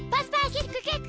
キックキック！